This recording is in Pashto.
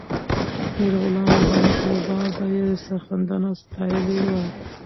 میرغلام محمد غبار به یې سرښندنه ستایلې وه.